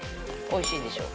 おいしいでしょ？